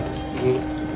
うん。